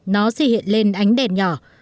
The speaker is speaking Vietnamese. nó sẽ hiện lên ánh đèn nhỏ